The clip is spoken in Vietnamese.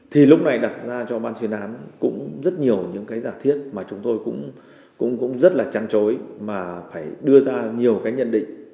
thì lúc này đặt ra cho ban chuyên án cũng rất nhiều những giả thiết mà chúng tôi cũng rất là trăn trối mà phải đưa ra nhiều nhận định